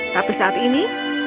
tapi saat ini